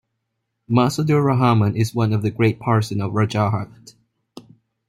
Masudur Rahaman is one of the great parson of Rajarhat.